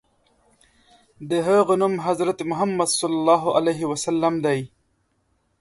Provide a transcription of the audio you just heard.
د هغه نوم حضرت محمد ص دی.